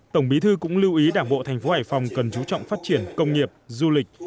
tổng bí thư cũng lưu ý đảng bộ thành phố hải phòng cần chú trọng phát triển công nghiệp du lịch